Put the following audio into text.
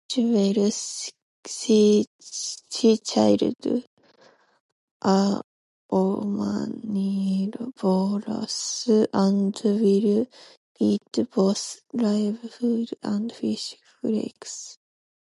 Jewel cichlids are omnivorous and will eat both live foods and fish flakes.